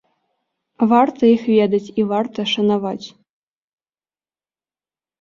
Варта іх ведаць і варта шанаваць.